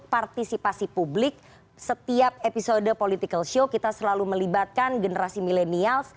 dan setelah ini kita akan menjaga partisipasi publik setiap episode politico show kita selalu melibatkan generasi milenial